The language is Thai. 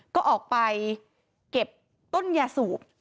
ก็ออกไปเก็บต้นยาสูบ